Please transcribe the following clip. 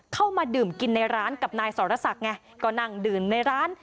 เข้ามาดื่มกินในร้านกับนายสรศักดิ์ไงก็นั่งดื่มในร้าน